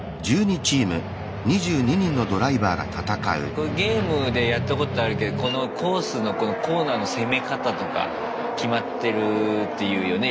これゲームでやったことあるけどこのコースのこのコーナーの攻め方とか決まってるっていうよね。